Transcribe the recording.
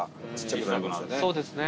そうですね。